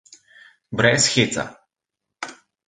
Brez heca.